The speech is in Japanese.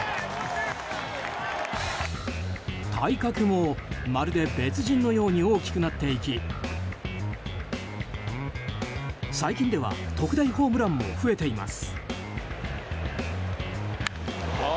体格もまるで別人のように大きくなっていき最近では特大ホームランも増えています。